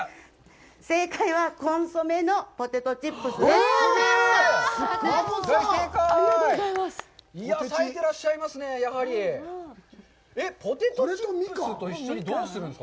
正解はコンソメのポテトチップスです。